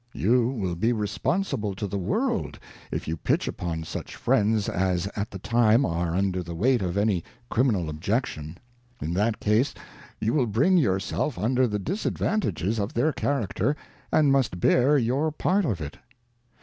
You will be responsible to the World, if you pitch upon such Friends as at the Itiihe are under the weight of any Criminal Objection. In that case you will bring your self under the disadvantages of their Character, and must bear your part of it.